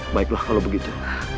baiklah kalau begitu